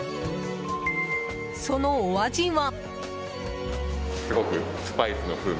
そのお味は。